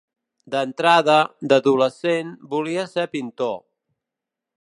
D'entrada, d'adolescent, volia ser pintor.